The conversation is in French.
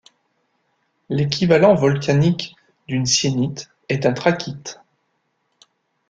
L'équivalent volcanique d'une syénite est un trachyte.